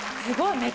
すごい。